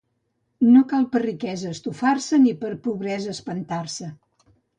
No cal per riquesa estufar-se ni per pobresa espantar-se.